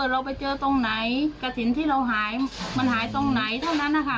เราไปเจอตรงไหนกระถิ่นที่เราหายมันหายตรงไหนเท่านั้นนะคะ